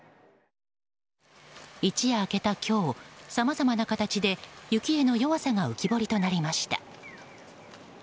一夜明けた今日、さまざまな形で雪への弱さが浮き彫りとなりました。